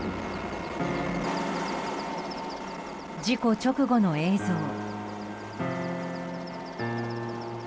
事故直後の映像。